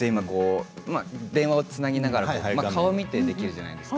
電話をつなぎながら顔を見てできるじゃないですか